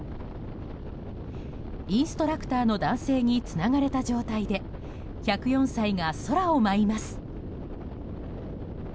インストラクターの男性につながれた状態で１０４歳が空を舞います。